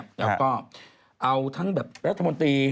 แล้วก็เอาทั้งแบบรัฐมนตรี